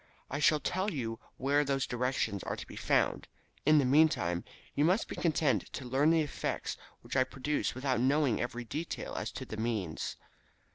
I shall tell you where those directions are to be found. In the meantime, you must be content to learn the effects which I produce without knowing every detail as to the means."